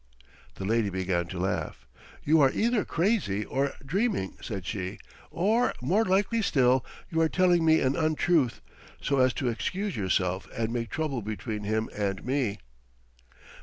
The lady began to laugh. "You are either crazy or dreaming," said she. "Or, more likely still, you are telling me an untruth so as to excuse yourself and make trouble between him and me."